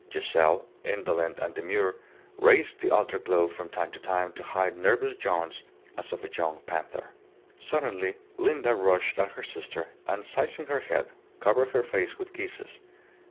Giselle, indolent and demure, raised the altar cloth from time to time to hide nervous yawns, as of a young panther. Suddenly Linda rushed at her sister, and seizing her head, covered her face with kisses.